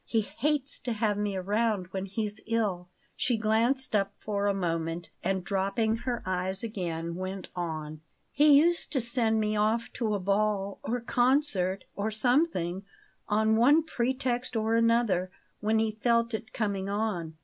He hates to have me about when he's ill." She glanced up for a moment, and, dropping her eyes again, went on: "He always used to send me off to a ball, or concert, or something, on one pretext or another, when he felt it coming on.